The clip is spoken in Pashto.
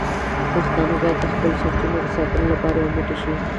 پښتانه باید د خپلو سرچینو د ساتنې لپاره یو موټی شي.